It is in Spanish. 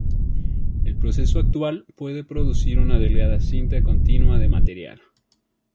El proceso actual puede producir una delgada cinta continua de material.